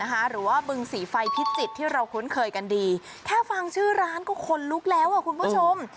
หรือว่าบึงสีไฟพิจิตรที่เราคุ้นเคยกันดีแค่ฟังชื่อร้านก็คนลุกแล้วอ่ะคุณผู้ชม